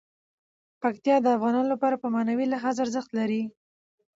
پکتیا د افغانانو لپاره په معنوي لحاظ ارزښت لري.